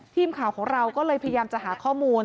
ทีมข่าวของเราก็เลยพยายามจะหาข้อมูล